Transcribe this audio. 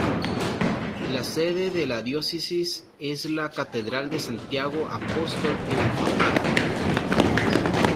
La sede de la Diócesis es la Catedral de Santiago Apóstol en Fajardo.